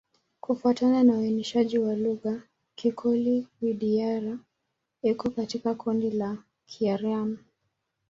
Kufuatana na uainishaji wa lugha, Kikoli-Wadiyara iko katika kundi la Kiaryan.